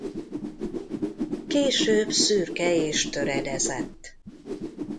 Később szürke és töredezett.